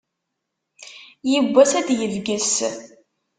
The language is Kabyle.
Yiwwas ad d-yebges.